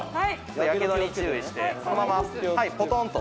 やけどに注意してそのままはいこう落とす？